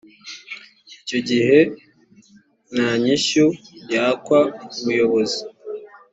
icyo gihe nta nyishyu yakwa ubuyobozi